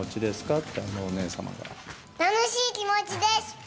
って、楽しい気持ちです！